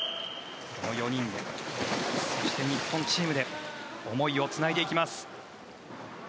この４人でそして日本チームで思いをつないでいきます。